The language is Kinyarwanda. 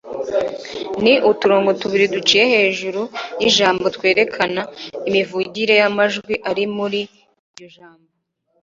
ni uturongo tubiri duciye hejuru y'ijambo twerekana imivugirwe y'amajwi ari muri iryo jambo